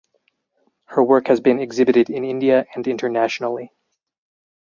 Her work has been exhibited in India and internationally.